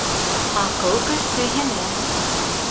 Аҡыл көстө еңә.